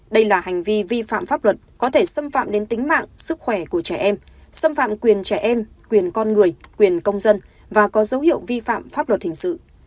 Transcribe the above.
đây là hành vi vi phạm pháp luật có thể xâm phạm đến tính mạng sức khỏe của trẻ em xâm phạm quyền trẻ em quyền con người quyền công dân và có dấu hiệu vi phạm pháp luật hình sự